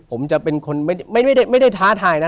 ผมจะเป็นคนไม่ได้ท้าทายนะ